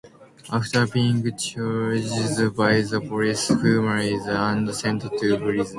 After being chased by the police, Humbert is arrested and sent to prison.